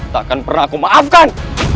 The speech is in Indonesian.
takkan pernah aku maafkan